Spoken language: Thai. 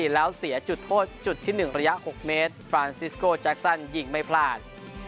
แล้วเสียจุดโทษจุดที่๑ระยะ๖เมตรฟรานซิสโก้แจ็คซันยิงไม่พลาด